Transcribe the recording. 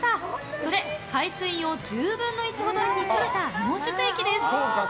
それ、海水を１０分の１ほどに煮詰めた濃縮液です。